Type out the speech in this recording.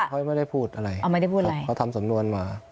เออไม่ได้พูดอะไรเขาทำสำนวนมา